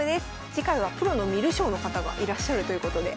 次回はプロの観る将の方がいらっしゃるということで。